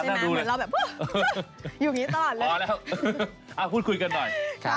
ชื่อโด่ครับผม